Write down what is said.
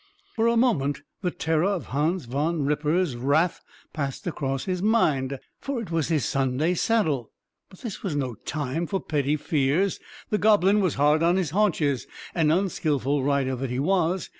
For a moment the terror of Hans Van Ripper's wrath passed across his mind for it was his Sunday saddle; but this was no time for petty fears: the goblin was hard on his haunches; and (unskillful rider that he was!)